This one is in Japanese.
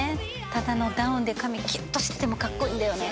ただのダウンで髪キュッとしててもかっこいいんだよね。